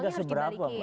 ya kan tidak seberapa